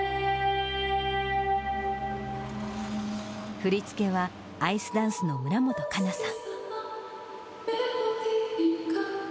振付はアイスダンスの村元かなさん。